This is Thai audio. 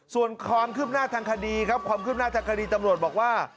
ส่วนความคืบหน้าทางคดีครับความคืบหน้าทางคดีตำรวจบอกว่า